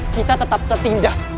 kita tetap tertindas